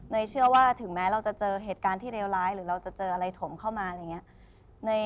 เชื่อว่าถึงแม้เราจะเจอเหตุการณ์ที่เลวร้ายหรือเราจะเจออะไรถมเข้ามาอย่างนี้